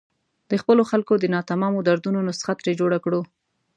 د خپلو خلکو د ناتمامو دردونو نسخه ترې جوړه کړو.